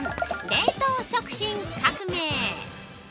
冷凍食品革命。